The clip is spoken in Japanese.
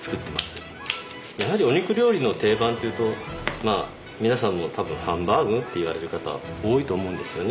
やはりお肉料理の定番っていうとまあ皆さんも多分ハンバーグと言われる方多いと思うんですよね。